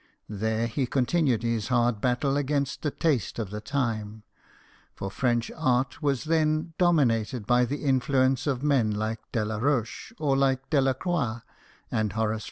There, he continued his hard battle against the taste of the time ; for French art was then dominated by the influence of men like Delaroche, or like Delacroix and Horace JEAN FRANQOIS MILLET, PAINTER.